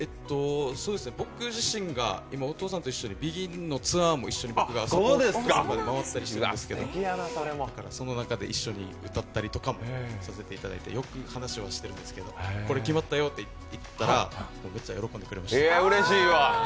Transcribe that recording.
僕自身がお父さんと一緒にＢＥＧＩＮのツアーを回ったりしているんですけど、だからその中で一緒歌ったりしてよく話はしてるんですけどこれ決まったよって言ったらむっちゃ喜んでくれました。